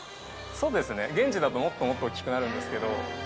そうですね現地だともっともっと大っきくなる。